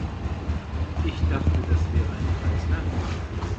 Ich dachte, das wäre ein freies Land.